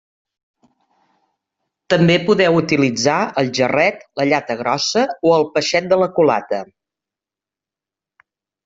També podeu utilitzar el jarret, la llata grossa o el peixet de la culata.